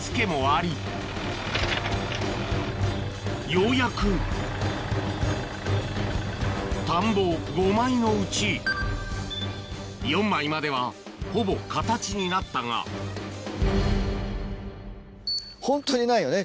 ようやく田んぼ５枚のうち４枚まではほぼ形になったがホントにないよね